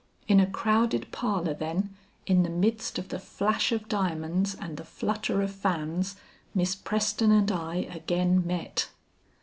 In a crowded parlor, then, in the midst of the flash of diamonds and the flutter of fans Miss Preston and I again met.